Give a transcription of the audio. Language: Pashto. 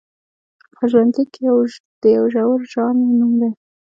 خو ژوندلیک د یوه زړور ژانر نوم دی.